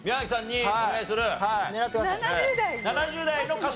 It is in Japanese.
７０代の。